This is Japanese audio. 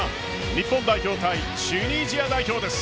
日本代表対チュニジア代表です。